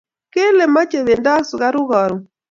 Kele mache bendo ak sukaru karon